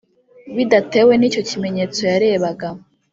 bidatewe n’icyo kimenyetso yarebaga,